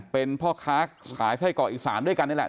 เป็นพ่อค้าขายไส้กรอกอีสานด้วยกันนี่แหละ